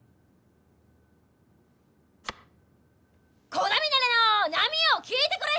『鼓田ミナレの波よ聞いてくれ』